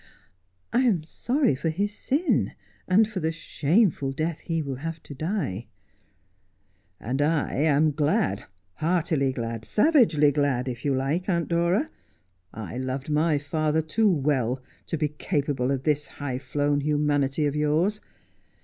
' I am sorry for his sin and for the shameful death he will have to die !'' And I am glad, heartily glad, savagely glad, if you like, Aunt Dora. I loved my father too well to be capable of this high flown humanity of yours.